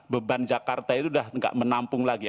beban jakarta itu udah gak menampung lagi